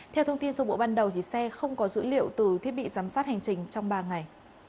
theo thông tin số bộ ban đầu xe không có dữ liệu từ thiết bị giám sát hành trình trong ba ngày